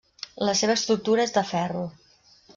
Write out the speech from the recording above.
La seva estructura és de ferro.